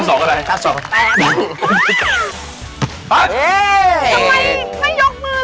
แป๊บแป๊บ